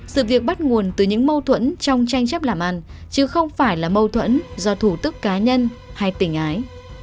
sự việc bắt nguồn từ những mâu thuẫn trong tranh chấp làm ăn chứ không phải là mâu thuẫn do thủ tức cá nhân hay tình ái